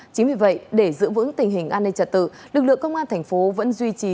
chính vì vậy để giữ vững tình hình an ninh trật tự lực lượng công an thành phố vẫn duy trì